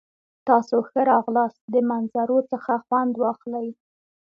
تاسو ښه راغلاست. د منظرو څخه خوند واخلئ!